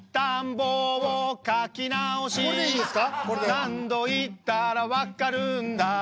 「何度言ったら分かるんだ」